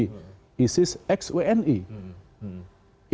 dan saya harus katakan saya setuju dengan apa istilah yang digunakan oleh presiden jokowi